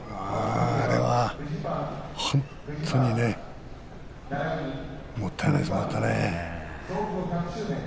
あれは、本当にもったいない相撲だったね。